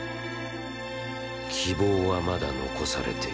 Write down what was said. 希望はまだ残されている。